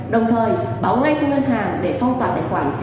đồng thời báo ngay cho ngân hàng để phong tỏa tài khoản